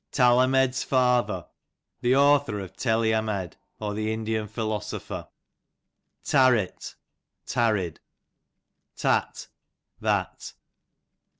Talemed's Father, the author of Telliamed, or the Indian Phil osopher. Tarrit, tarried. Tat, that.